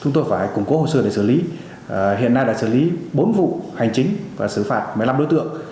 chúng tôi phải củng cố hồ sơ để xử lý hiện nay đã xử lý bốn vụ hành chính và xử phạt một mươi năm đối tượng